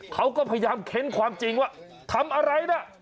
เขาก็พยายามเค้นความจริงว่าทำอะไรนะ